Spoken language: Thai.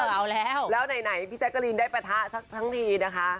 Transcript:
เออเอาแล้วแล้วไหนพี่แชคการีนได้ประทะซักทั้งทีนะคะ